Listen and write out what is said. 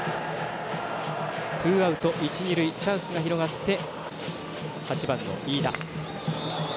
ツーアウト、一、二塁チャンスが広がって８番の飯田。